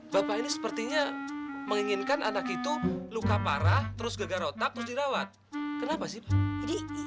bapak ini sepertinya menginginkan anak itu luka parah terus geger otak terus dirawat kenapa sih